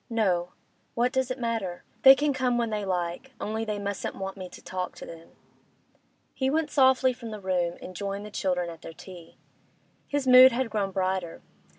'No. What does it matter? They can come when they like, only they mustn't want me to talk to them.' He went softly from the room, and joined the children at their tea. His mood had grown brighter.